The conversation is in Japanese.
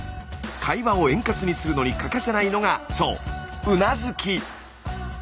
会話を円滑にするのに欠かせないのがそう「うなずき」。